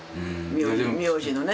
名字のね。